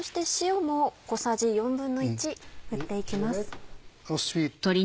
振って行きます。